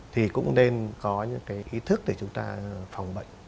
thì cũng nên có những cái ý thức để chúng ta phòng bệnh